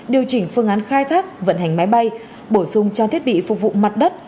điều chỉnh phương án khai thác vận hành máy bay bổ sung trang thiết bị phục vụ mặt đất